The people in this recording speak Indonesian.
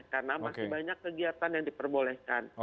karena masih banyak kegiatan yang diperbolehkan